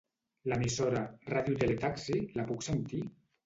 L'emissora "Radio Tele Taxi" la puc sentir?